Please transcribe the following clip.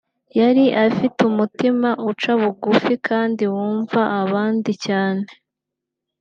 yari afite umutima uca bugufi kandi wumva abandi cyane